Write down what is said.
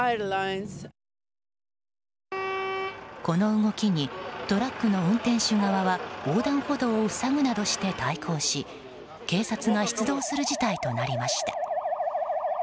この動きにトラックの運転手側は横断歩道を塞ぐなどして対抗し警察が出動する事態となりました。